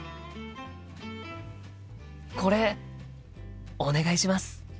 これお願いします。